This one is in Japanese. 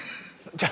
じゃあ。